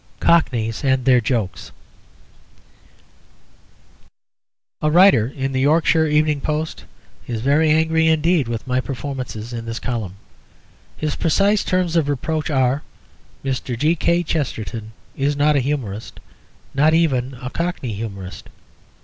COCKNEYS AND THEIR JOKES A writer in the Yorkshire Evening Post is very angry indeed with my performances in this column. His precise terms of reproach are, "Mr. G. K. Chesterton is not a humourist: not even a Cockney humourist."